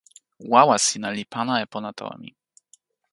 wawa sina li pana e pona tawa mi.